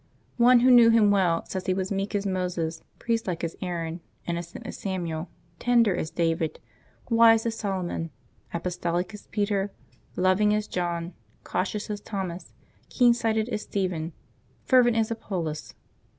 One who knew him well says he was meek as Moses, priestlike as Aaron, innocent as Samuel, tender as David, wise as Solomon, apostolic as Peter, loving as John, cautious as Thomas, keen sighted as Stephen, fervent as Apollos.